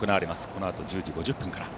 このあと１０時５０分から。